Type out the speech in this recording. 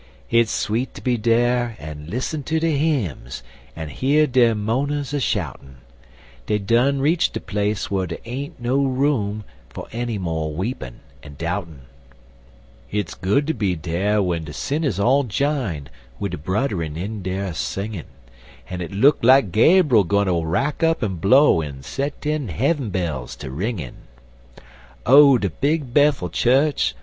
Hit's sweet ter be dere en lissen ter de hymns, En hear dem mo'ners a shoutin' Dey done reach de place whar der ain't no room Fer enny mo' weepin' en doubtin'. Hit's good ter be dere w'en de sinners all jine Wid de brudderin in dere singin', En it look like Gaberl gwine ter rack up en blow En set dem heav'm bells ter ringin'! Oh, de Big Bethel chu'ch!